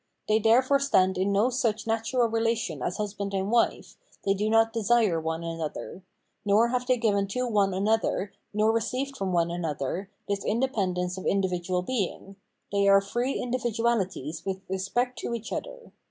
They therefore stand in no such natural relation as husband and wife, they do not desire one another ; nor have they given to one another, nor received from one another, this independence of individual being ; they are free individuahties with respect to each other.